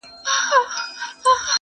• چي دا ټوله د دوستانو برکت دی -